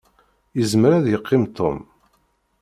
Izmer ad yeqqim Tom.